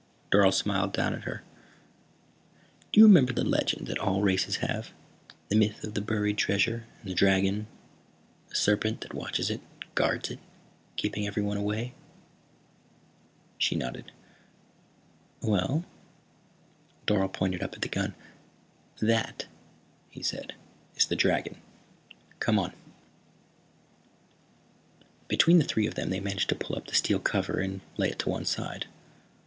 Dorle smiled down at her. "Do you remember the legend that all races have, the myth of the buried treasure, and the dragon, the serpent that watches it, guards it, keeping everyone away?" She nodded. "Well?" Dorle pointed up at the gun. "That," he said, "is the dragon. Come on." Between the three of them they managed to pull up the steel cover and lay it to one side.